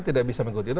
tidak bisa mengikuti itu